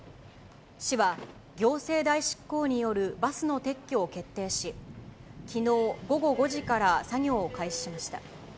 市は、行政代執行によるバスの撤去を決定し、きのう午後５時から作業を開始しました。